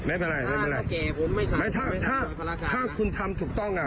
ไม่เป็นไรไม่เป็นไรข้าวแก่ผมไม่สามารถถ้าถ้าถ้าคุณทำถูกต้องอ่ะ